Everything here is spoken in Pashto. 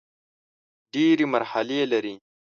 ډېري مرحلې لري .